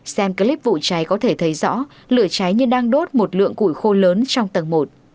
xem clip vụ cháy có thể thấy rõ lửa cháy nhưng đang đốt một lượng củi khô lớn trong tầng một